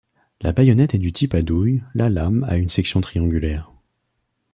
La baïonnette est du type à douille, la lame a une section triangulaire.